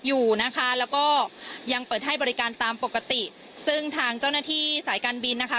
อยู่นะคะแล้วก็ยังเปิดให้บริการตามปกติซึ่งทางเจ้าหน้าที่สายการบินนะคะ